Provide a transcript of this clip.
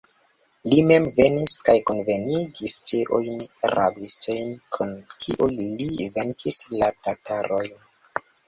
Li mem venis kaj kunvenigis ĉiujn rabistojn, kun kiuj li venkis la tatarojn.